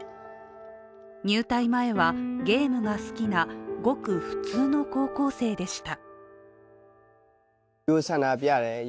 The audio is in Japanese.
入隊前はゲームが好きなごく普通の高校生でした。